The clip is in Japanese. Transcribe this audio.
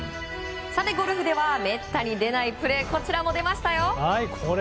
ゴルフではめったに出ないプレーがこちらも出ましたよ。